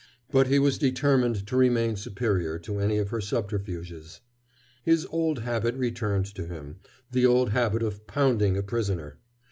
But he was determined to remain superior to any of her subterfuges. His old habit returned to him, the old habit of "pounding" a prisoner.